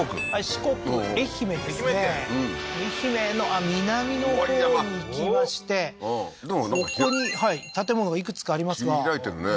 四国愛媛ですね愛媛のあっ南のほうに行きましてここに建物がいくつかありますが切り開いてるね